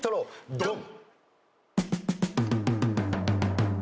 ドン！